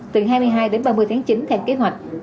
từ hai mươi hai đến ba mươi tháng chín theo kế hoạch